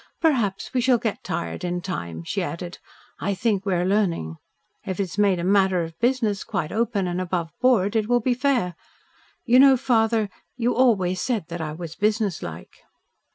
"Perhaps we shall get tired in time," she added. "I think we are learning. If it is made a matter of business quite open and aboveboard, it will be fair. You know, father, you always said that I was businesslike."